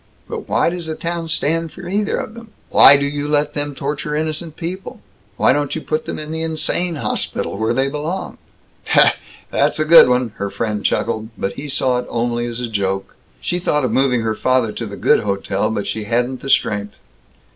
"But why does the town stand either of them? Why do you let them torture innocent people? Why don't you put them in the insane hospital, where they belong?" "That's a good one!" her friend chuckled. But he saw it only as a joke. She thought of moving her father to the good hotel, but she hadn't the strength.